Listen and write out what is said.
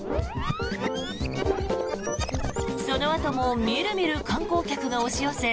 そのあともみるみる観光客が押し寄せ